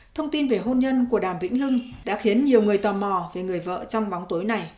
thông tin về hôn nhân của đàm vĩnh hưng đã khiến nhiều người tò mò về người vợ trong bóng tối này